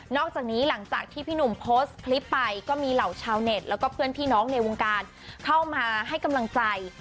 อกจากนี้หลังจากที่พี่หนุ่มโพสต์คลิปไปก็มีเหล่าชาวเน็ตแล้วก็เพื่อนพี่น้องในวงการเข้ามาให้กำลังใจ